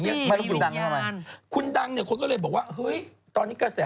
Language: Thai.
แต่ถึงคนก็เลยบอกว่า